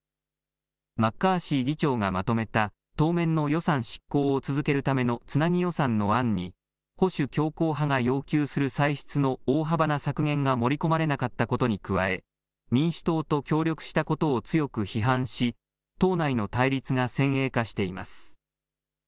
マッカーシー議長がまとめた当面の予算執行を続けるためのつなぎ予算の案に保守強硬派が要求する歳出の大幅な削減が盛り込まれなかったことに加え民主党と協力したことを強く批判し党内の対立が先鋭化しています。